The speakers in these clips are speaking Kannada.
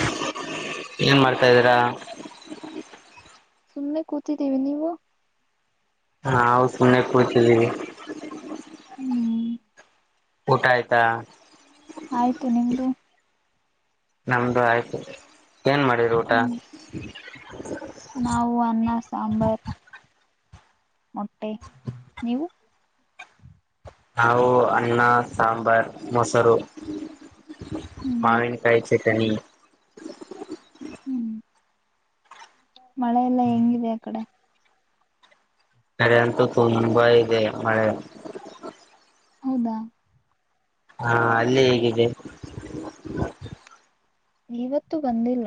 ಹಲೋ ಏನ್ ಮಾಡ್ತಾದೀರ ಸುಮ್ನೆ ಕೂತಿದ್ದೀವಿ ನೀವು ಹಾ ಹೌ ಸುಮ್ನೆ ಕೂತಿದೀವಿ ಹ್ಮ್ ಊಟ ಆಯ್ತಾ ಆಯ್ತು ನಿಮ್ದು ನಮ್ದು ಆಯ್ತು ಏನ್ ಮಾಡಿದ್ರಿ ಊಟ ಹ್ಮ್ [unintelligible] ನಾವು ಅನ್ನ ಸಾಂಬಾರ್ ಮೊಟ್ಟೆ ನೀವು ನಾವು ಅನ್ನ ಸಾಂಬಾರ್ ಮೊಸರು ಹ್ಮ್ ಮಾವಿನ್ಕಾಯ್ ಚಟನಿ ಹ್ಮ ಮಳೆಲ್ಲ ಹೆಂಗಿದೆ ಆ ಕಡೆ ಕಡೆ ಅಂತೂ ತುಂಬಾ ಇದೆ ಮಳೆ ಹೌದಾ ಹಾ ಅಲ್ಲಿ ಹೇಗಿದೆ ಇವತ್ತು ಬಂದಿಲ್ಲ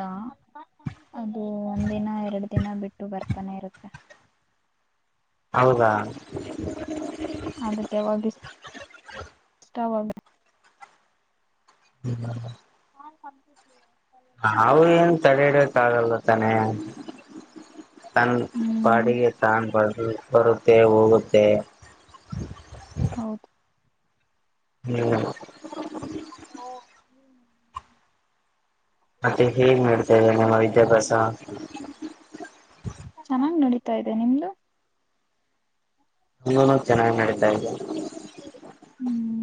ಅದು ಒಂದಿನ ಎರ್ಡ್ ದಿನ ಬಿಟ್ಟು ಬರ್ತಾನೆ ಇರುತ್ತೆ ಹೌದಾ ಅದಕ್ಕೆ ವಗ್ ಸ್ಟವ್ ಅವ್ ಹ್ಮ ನಾ ಸಪ್ಪಗಿರ್ತಿನ್ ಅವು ಏನ್ ತಡೆ ಇಡಕ್ ಆಗಲ್ಲ ತಾನೆ ತನ್ ಹ್ಮ್ ಬಾಡಿಗೆ ತಾಣ್ಬಾರ್ ಬರುತ್ತೆ ಹೋಗುತ್ತೆ ಹೌದು ಹ್ಮ್ ಅದೆ ಹೇಗ್ ನಡ್ತಾ ಇದೆ ನಮ್ಮ ವಿದ್ಯಾಭ್ಯಾಸ ತ ಚೆನ್ನಾಗ್ ನಡಿತೈತೆ ನಿಮ್ದು ನಂದೂನು ಚೆನ್ನಾಗಿ ನಡೀತಾ ಇದೆ ಹ್ಮ್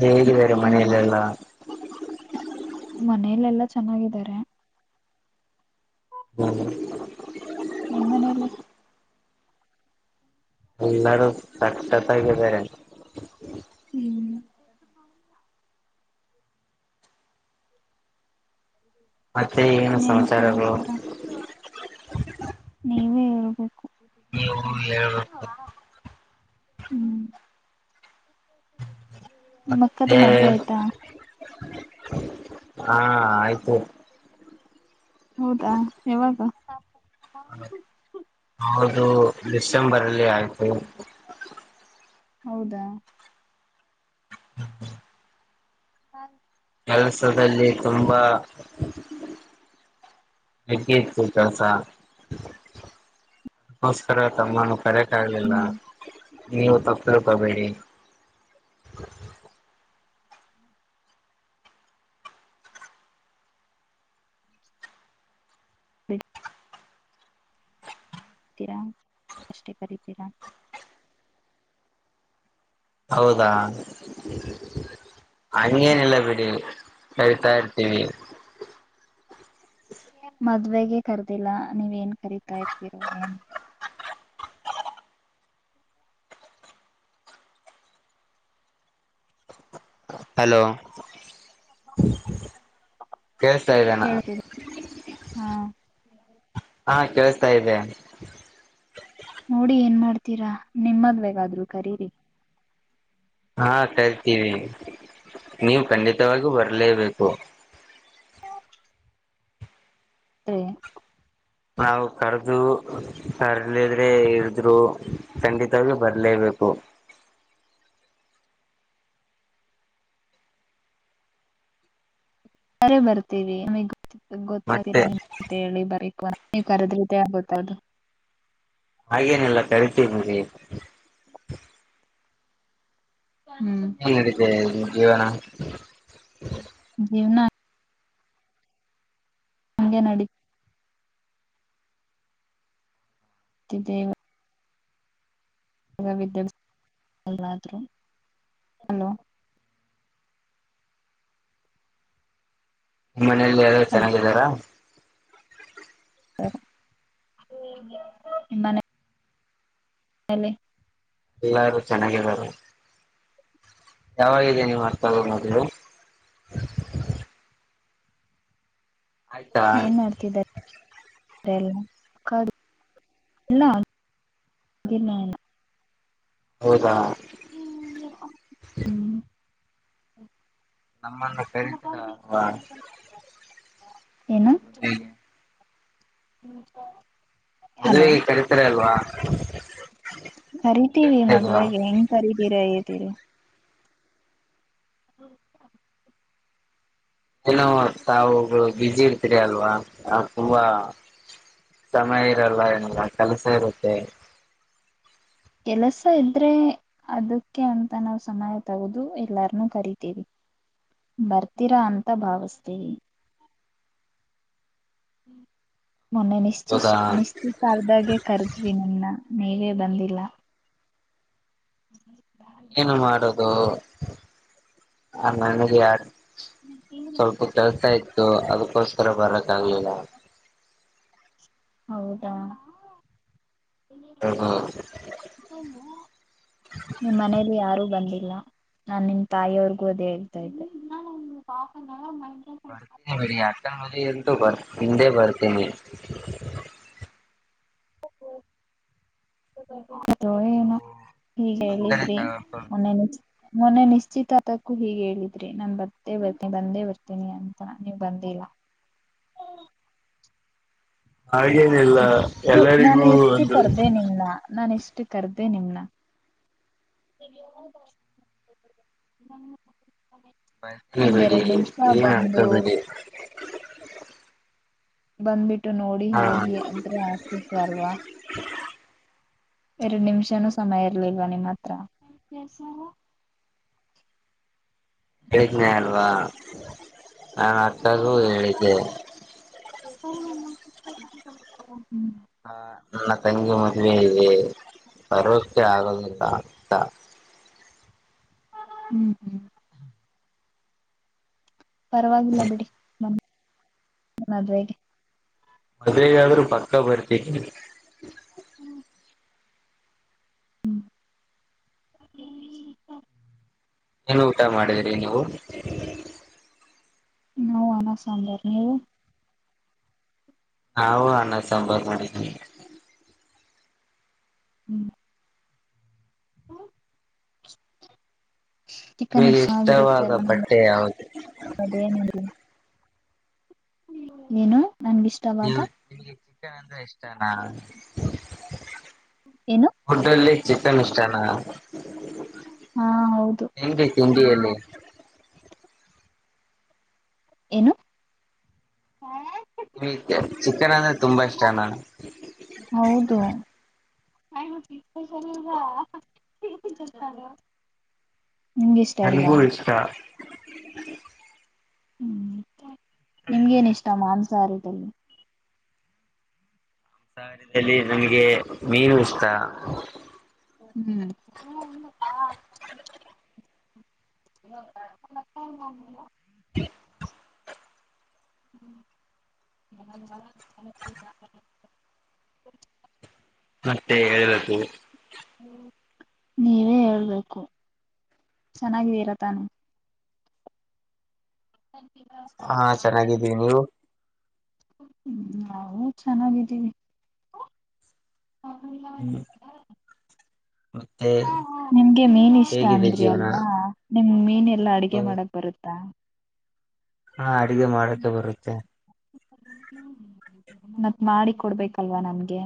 ಹೇಗಿದ್ದಾರೆ ಅದೇ ಮನೆಲೆಲ್ಲ ನೋಡ್ಬೇಕು ಮನೇಲೆಲ್ಲಾ ಚೆನ್ನಾಗಿದ್ದಾರೆ ಹ್ಮ್ ನಿಮ್ಮನೇಲ್ಲಿ ಎಲ್ಲರು ಸಾಕ್ಷತಗಿದಾರೆ ಹ್ಮ್ ಮತ್ತೆ ಏನ್ ಇನ್ನೇನು ಸಮಾಚಾರಗಳು ಸಮಾಚಾರ ನೀವೇ ಹೇಳ್ಬೇಕು ನೀವು ಎ ಹೇಳ್ಬೇಕು ಏನವ್ವ ಹ್ಮ್ ನಿಮ್ ಅಕ್ಕದು ಮತ್ತೆ ಮದ್ವೆ ಆಯ್ತಾ ಹಾ ಆಯ್ತು ಹೌದಾ ಯಾವಾಗ ಹಾ ಹೌ ದು ಡಿಸೆಂಬರ್ ಅಲ್ಲಿ ಆಯ್ತು ಹೌದಾ ಹ್ಮ ಹ ಹ ಕೆಲಸದಲ್ಲಿ ತುಂಬಾ ಹೆಗ್ಗೆ ಇತ್ತು ಕೆಲ್ಸ ಅದಕ್ಕೋಸ್ಕರ ತಮ್ಮ ಕರೆ ಕಗ್ಲಿಲ್ಲ ಹ್ಮ್ ನೀವು ತಪ್ತಿಳ್ಕೊಬೇಡಿ [inaudible] ತೀರಾ ಅಷ್ಟೇ ಕರಿತೀರಾ ಹೌದಾ ಹಂಗೇನಿಲ್ಲ ಬಿಡಿ ಕರಿತಾ ಇರ್ತೀವಿ ಮದ್ವೆಗೆ ಕರ್ದಿಲ್ಲಾ ನೀವ್ ಏನ್ ಕರತಾ ಇರ್ತೀರೋ ಏನ್ ಹಲೋ ಕೇಳ್ಸ್ತಾ ಇದ್ದೇನ ಹ ಹಾ ಕೇಳಸ್ತಾ ಇದೆ ನೋಡಿ ಏನ್ ಮಾಡ್ತೀರಾ ನಿಮ್ಮದ್ವೆಗಾದ್ರು ಕರೀರಿ ಹಾ ಕರಿತೀವಿ ನೀವು ಖಂಡಿತವಾಗು ಬರ್ ಲೇಬೇಕು ತ್ರೆ ಯ್ ನಾವು ಕರ್ದು ಕರ್ಲಿದ್ರೆ ಇದ್ರು ಖಂಡಿತವಾಗಿ ಬರ್ಲೇಬೇಕು ಸರೆ ಬರ್ತೀವಿ ಮಿಗ್ ಗೊತ್ತತೀರ ಮತ್ತೆ ಅಂ ಅಂತ ಹೇಳಿ ಬರೀ ನೀವ್ ಕರದ್ರ ಆ ಗೊತ್ತದು ಹಾಗೇನಿಲ್ಲ ಕರಿತೀನಿರಿ ಹ್ಮ್ ಏನ್ ನೆಡಿತಿದೆ ಜೀವ್ನ [unintelligible] ಜೀವ್ನಾ ಹಂಗೆ ನಡಿ ತಿದ್ದೇವ್ ಈಗ ವಿದ್ಯಾ ಭ್ಯಾಸ ದಲ್ಲಾದ್ರೋ ಹಲೋ ಮನೆಲ್ಲಿ ಎಲ್ರು ಹಲೋ ಚೆನ್ನಾಗಿದಾರಾ ತರ್ ನಿಮ್ ಮನೆ ಯಲ್ಲಿ ಎಲ್ಲಾರು ಚೆನ್ನಾಗಿದರೆ ಯಾವಾಗಾಗಿದೆ ನೀವು ಅರ್ತಗದಲು ಏನ್ ಮಾಡ್ತಿದ ದೆಲ್ಲ ಕಾ ಎಲ್ಲ ಹಗ್ ಏನು ಇಲ್ಲ ಹೌದಾ ಹ್ಮ್ [unintelligible] ನಮ್ಮನ್ನು ಕರಿತೀರ ಅಲ್ವಾ ಮದ್ವೇಗೆ ಹ್ಮ್ ಸ ಹಲೋ ಮದುವೆಗೆ ಕರಿತೀರ ಅಲ್ವಾ ಕರೀತೀವಿ ಕೇಳ್ತಾ ಇಲ್ವಾ ಮದ್ವೆಗೆ ಹೆಂಗ್ ಕರೀದೀರಿ ಇದಿರಿ ಹೌ ಏನೋ ತಾವುಗಳು ಬ್ಯುಸಿ ಇರ್ತರಿ ಅಲ್ವಾ ತುಂಬ ಸಮಯ ಇರಲ್ಲ ಏನಿಲ್ಲ ಕೆಲಸ ಇರುತ್ತೆ ಕೆಲಸ ಇದ್ರೆ ಅದಕ್ಕೆ ಅಂತ ನಾವ್ ಸಮಯ ತಗದು ಎಲ್ಲಾರ್ನು ಕರಿತೀವಿ ಬರ್ತೀರಾ ಅಂತ ಭಾವಸ್ತೀವಿ ಹ್ಮ್ ಮೊನ್ನೆ ನಿಶ್ಚಿ ಹೌದಾ ನಿಶ್ಚಿತರ್ತ ಆದದಾಗೆ ಕರ್ದ್ವಿ ನಿಮ್ನ ನೀವೇ ಬಂದಿಲ್ಲ [unintelligible] ಏನು ಮಾಡದೊ ಆ ನನಗೆ ಯಾರ್ ಸ್ವಲ್ಪ ಕೆಲ್ಸ ಇತ್ ದು ಅದಕ್ಕೋಸ್ಕರ ಬರತ್ ತಾಗ್ಲಿಲ್ಲ ಹೌದಾ ನಿಮ್ಮ್ ಮನೇಲಿ ಯಾರು ಬಂದಿ ಲ ನಾನ್ ನಿಮ್ ತಾಯಿವ್ರಿಗು ಅದೇ ಹೇಳ್ತಾ ಇದೆ ಬರ್ತೀನಿ ಬಿಡಿ ಅಕ್ಕನ್ ಮದ್ವೇಗ್ ಬರ್ ಹಿಂದೆ ಬರ್ತೀನಿ [unintelligible] ಏನೊ ಹೀಗ್ ತೊಂದರೆ ಹೇಳಿದ್ರಿ ತಗೋಬೇಡಿ ಮೊನ್ನೆ ಮೊನ್ನೆ ನಿಶ್ಚಿತ ಅದಕ್ಕೂ ಹೀಗ್ ಹೇಳಿದ್ರಿ ನಾನ್ ಬೇ ಬರ್ತಿ ಬಂದೇ ಬರ್ತೀನಿ ಅಂತ ನೀವ್ ಬಂದಿಲ್ಲ ಹಾಗೇನಿಲ್ಲ ಎಷ್ಟು ಎಲ್ಲರಿಗೂ ಒಂದು ಟ್ ಕರ್ದೇ ನಿಮನ್ನ ಬಂದೆ ಬಿಡಿ ಏನು ಬಂದು ಅನ್ಕೋಬೇಡಿ ಬಂದ್ಬಿಟ್ ಇಟ್ಟು ನೋಡಿ ಹಾ ಹೋಗಿ ಅಂದ್ರೆ ಆತಿತ್ತು ಅಲ್ವಾ ಎರ್ಡ್ ನಿಮಿಷನುೂ ಸಮಯ ಇರ್ಲಿಲ್ವಾ ನಿಮ್ಮ ಹತ್ರ ಹೇಳಿದ್ನೇ ಅಲ್ವಾ ನಾನ್ ಅರ್ಥಾಗು ಹೇಳಿದ್ದೆ ಹ್ಮ್ ಹಾ ನನ್ನ ತಂಗಿ ಮದ್ವೆ ಇದೆ ಭರವಸೆ ಆಗದಿಲ್ಲ ಅಂತ ಹ್ಮ್ ಹ್ಮ್ ಪರವಾಗಿಲ್ಲ ಬಿಡಿ ಮ ನ ಮದ್ವೆಗೆ ಮದ್ವೆಗ್ ಆದ್ರೂ ಪಕ್ಕ ಬರ್ ತೆ ಹಿ ಹ್ಮ್ ಏನು ಊಟ ಮಾಡಿದ್ರಿ ನೀವು ನೊ ಅನ್ನ ಸಾಂಬಾರ್ ನೀವು ನಾವು ಅನ್ನ ಸಾಂಬಾರ್ ಮಾಡಿದ್ವಿ ಹ್ಮ್ [unintelligible] ಚಿಕನ್ ನಿಮಗೆ ಎಷ್ಟ್ ಚೆನ್ನಾಗಿರುತ್ತೆ ಇಷ್ಟವಾದ ಅಲ್ವಾ ನಮ್ಗ್ ಬಟ್ಟೆ ಯಾವ್ದು ಅದೇ ನೆನಪು ಏನು ನನ್ಗಿಷ್ಟವಾದ ನೀವು ನಿಗೆ ಚಿಕನ್ ಅಂದ್ರೆ ಇಷ್ಟನಾ ಏನು ಫುಡ್ ಅಲ್ಲಿ ಚಿಕನ್ ಇಷ್ಟನಾ ಹಾ ಹೌದು ಏನ್ ಬೇಕ್ ತಿಂಡಿ ಎಲ್ಲಿ ಏನು ಈ ಚಿಕನ್ ಅಂದ್ರೆ ತುಂಬಾ ಇಷ್ಟ ನಾನು ಹೌದು [unintelligible] ಇಷ್ಟ ನನ್ಗೂ ಇಲ್ವಾ ಇಷ್ಟ [unintelligible] ಹ್ಮ್ ನಿಮ್ಗೆ ಏನ್ ಇಷ್ಟ ಮಾಮ್ಸ್ ಸಾರಿ ತಲ್ಲಿ ಸಾವಿರದಲ್ಲಿ ನನ್ಗೆ ಮೀನು ಇಷ್ಟ ಹ್ಮ್ ಹು ಹಾ [unintelligible] [unintelligible] [unintelligible] ಮತ್ತೆ ಹೇಳ್ಬೇಕು ನೀವೇ ಹೇಳ್ಬೇಕು ಚೆನ್ನಾಗಿದ್ದೀರ ತಾನು [unintelligible] ಹಾ ಚೆನ್ನಾಗಿದ್ದೀವ್ ನೀವು ಹ್ಮ ನಾವು ಚೆನ್ನಾಗಿದ್ದೀವಿ ಹ್ಮ್ [unintelligible] ಮತ್ತೆ ನಿಮ್ಗೆ ಮೀನ್ ಇಷ್ಟ ಹೇಗಿದೆ ಅಂದ್ರಿ ಜೀವನ ಅಲ್ವಾ ನಿಮ್ಮೀನ್ ಎಲ್ಲ ಅಡಿಗೆ ಮಾಡಕ್ ಬರುತ್ತಾ ಹಾ ಅಡಿಗೆ ಮಾಡಕೆ ಬರುತ್ತೆ ಮತ್ ಮಾಡಿ ಕೊಡ್ಬೇಕಲ್ವಾ ನಮ್ಗೆ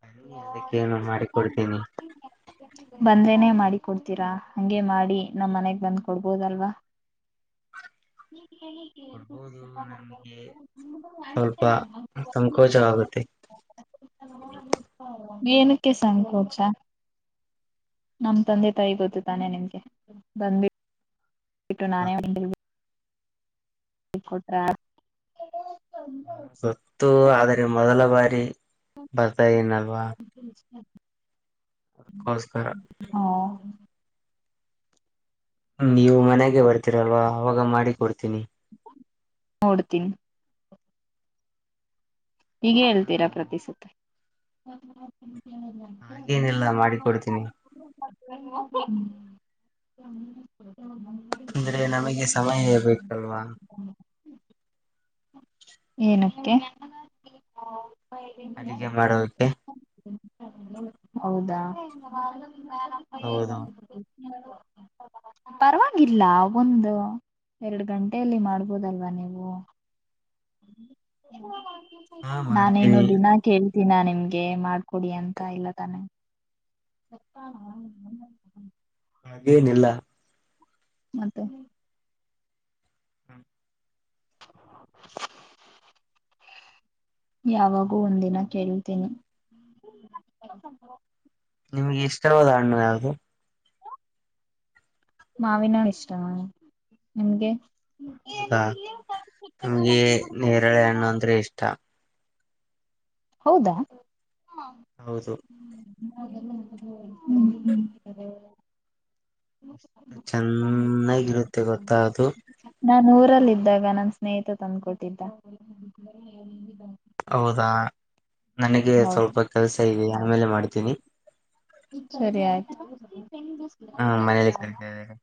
ಬನ್ನಿ ಅದಕ್ಕೇನು ಮಾಡಿಕೊಡ್ತೀನಿ ಬಂದ್ರೇನೆ ಮಾಡಿ ಕೊಡ್ತೀರಾ ಹಂಗೆ ಮಾಡಿ ನಮ್ ಮನೆಗ್ ಬಂದ್ ಕೊಡ್ಬೋದಲ್ವಾ ಕೊಡ್ಬೋದು ನನ್ಗೆ ಸ್ವಲ್ಪ ಸಂಕೋಚವಾಗುತ್ತೆ ಮ್ ಎನುಕ್ಕೆ ಸಂಕೋಚಾ ನಮ್ ತಂದೆ ತಾಯಿ ಗೊತ್ತು ತಾನೆ ನಿಮ್ಗೆ ಬಂದ್ಬಿಟ್ ಟು ನಾನೇ ಇಲ್ ಕೊಟ್ರಾ ಗೊತ್ತು ಆದೆ ಮೊದಲ ಬಾರಿ ಬರ್ತಾ ಇದನಲ್ವಾ ಹಾ ನೀವು ಮನೆಗೆ ಬರ್ತೀರಲ್ವಾ ಅವಾಗ ಮಾಡಿ ಕೊಡ್ತೀನಿ ನೋಡ್ತೀನಿ ಹೀಗ ಹಾ ಹೇಳ್ತೀರಾ ಪ್ರತಿಸುತ್ತ ಹ್ಮ ಹಾ ಹಾಗೇನಿಲ್ಲ ಮಾಡಿ ಕೊಡ್ತೀನಿ [unintelligible] ಅಂದ್ರೆ ನಮಗೆ ಸಮಯೇ ಬೇಕಲ್ವಾ ಏನಕ್ಕೆ ಹ ಅಡಿಗೆ ಮಾಡೋದಕ್ಕೆ ಹೌದಾ ಹೌದು [unintelligible] ಪರವಾಗಿಲ್ಲ ಒಂದು ಎರಡು ಗಂಟೆಯಲ್ಲಿ ಮಾಡ್ಬೋದಲ್ವಾ ನೀವು ಹಾ ನಾನೇನು ಮಾಡ್ತೀನಿ ದಿನಾ ಕೇಳ ದಿನಾ ನಿಮ್ಗೆ ಮಾಡ್ಕೊಡಿ ಅಂತ ಇಲ್ಲ ತಾನೆ ಹಾಗೇನಿಲ್ಲ ಮತ್ತೆ ಯಾವಾಗೂ ಒಂದಿನ ಕೇಳ್ತೀನಿ ನಿಮ್ಗೆ ಇಷ್ಟವಾದ ಹಣ್ಣು ಯಾವಧು ಮಾವಿನೋಳ ಇಷ್ಟ ನಿಮ್ಗೆ ಹೌದಾ ನಮ್ಗೆ ನೇರಳೆ ಹಣ್ಣು ಅಂದ್ರೆ ಇಷ್ಟ ಹೌದಾ ಹಾ ಹೌದು ಹ್ಮ ಹ್ಮ್ ಹ್ಮ್ ಎಷ್ಟು ಚೆನ್ನಾಗಿರುತ್ತೆ ಗೊತ್ತ ಅದು ರಲ್ಲ ಇದ್ದಾಗ ನನ್ ಸ್ನೇಹಿತ ತಂದ್ಕೊಟ್ಟಿದ್ದ ಹೌದಾ ನನಗೆ ಹೌದು ಸ್ವಲ್ಪ ಕೆಲ್ಸ ಇಧಿಯಾ ಆಮೇಲೆ ಮಾಡ್ತೀನಿ ಸರಿ ಆಯ್ತು ಹ್ಮ ಮನೇಲಿ ಕರೀತಾ ಇದಾರೆ